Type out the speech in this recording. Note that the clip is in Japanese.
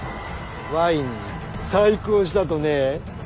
ワインに細工をしたとね。